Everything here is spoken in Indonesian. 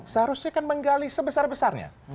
seharusnya kan menggali sebesar besarnya